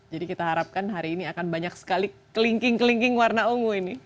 jadi kita harapkan hari ini akan banyak sekali kelingking kelingking warna ungu ini